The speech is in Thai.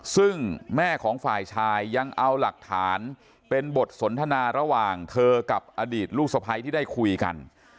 ซึ่งแม่ของฝ่ายชายยังเอาหลักฐานเป็นบทสนทนาระหว่างเธอกับอดีตลูกสะพ้ายที่ได้คุยกัน